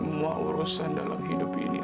kami pasrahkan semua urusan dalam hidup ini